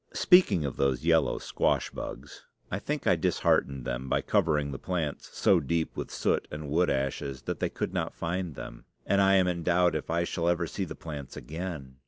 Speaking of those yellow squash bugs, I think I disheartened them by covering the plants so deep with soot and wood ashes that they could not find them; and I am in doubt if I shall ever see the plants again.